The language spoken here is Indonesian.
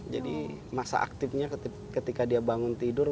jadi masa aktifnya ketika dia bangun tidur